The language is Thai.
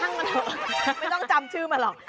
ไม่ต้องจำชื่อมันหรอก